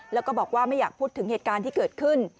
แล้วก็บอกว่าไม่อยากพูดถึงเหตุการณ์ที่เกิดขึ้น